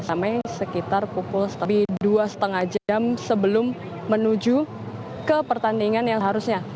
sampai sekitar pukul tapi dua lima jam sebelum menuju ke pertandingan yang seharusnya